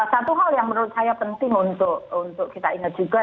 satu hal yang menurut saya penting untuk kita ingat juga